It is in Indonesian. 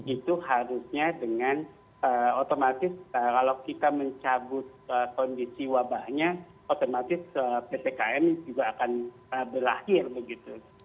itu harusnya dengan otomatis kalau kita mencabut kondisi wabaknya otomatis ppkm juga akan berlahir